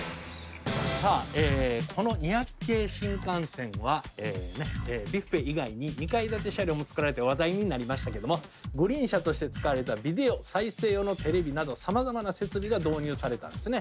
この２００系新幹線はビュフェ以外に２階建て車両も作られて話題になりましたけどもグリーン車として使われたビデオ再生用のテレビなどさまざまな設備が導入されたんですね。